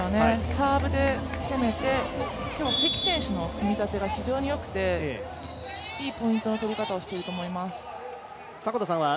サーブで攻めて、今日は関選手の組み立てが非常によくていいポイントの取り方をしていると思います。